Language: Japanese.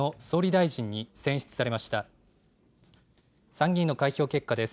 参議院の開票結果です。